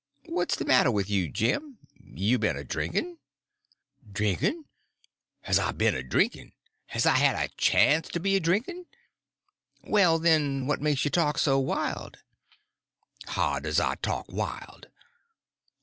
"What's the matter with you, Jim? You been a drinking?" "Drinkin'? Has I ben a drinkin'? Has I had a chance to be a drinkin'?" "Well, then, what makes you talk so wild?" "How does I talk wild?"